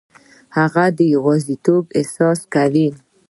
هغه د یوازیتوب احساس کوي.